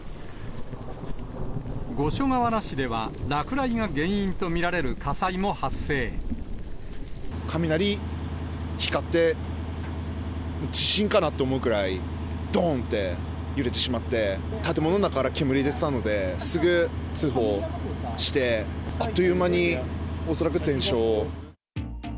五所川原市では落雷が原因と見ら雷光って、地震かなって思うくらい、どんって、揺れてしまって、建物の中から煙出てたので、すぐ通報して、あっという間に、恐らく全焼。